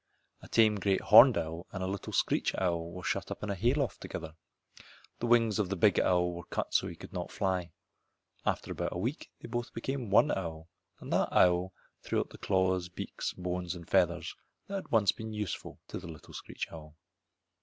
A tame great horned owl and a little screech owl were shut up in a hay loft together. The wings of the big owl were cut so he could not fly. After about a week they both became one owl, and that owl threw up the claws, beak, bones, and feathers which had once been useful to the little screech owl.